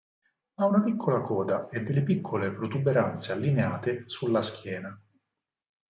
Ha una piccola coda e delle piccole protuberanze allineate sulla schiena.